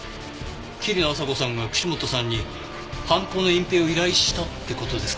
桐野朝子さんが串本さんに犯行の隠蔽を依頼したって事ですか？